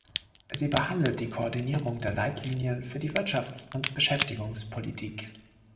Sie behandelt die Koordinierung der Leitlinien für die Wirtschafts- und Beschäftigungspolitik.